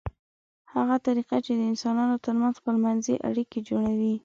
هغه طریقه چې د انسانانو ترمنځ خپلمنځي اړیکې جوړوي